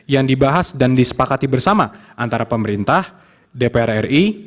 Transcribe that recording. yang dibahas dan disepakati bersama antara pemerintah dpr ri